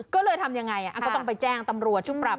ก็เลยทำยังไงก็ต้องไปแจ้งตำรวจชุดปรับ